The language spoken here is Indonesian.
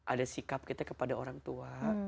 ada sikap kita kepada orang tua